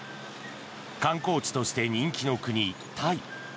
観光地として人気の国、タイ。